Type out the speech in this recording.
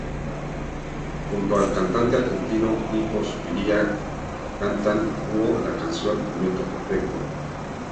Junto al cantante argentino Nico Zuviría cantan a dúo la canción "Momento perfecto".